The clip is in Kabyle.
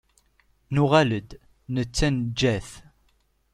Nuɣal-d, netta neǧǧa-t.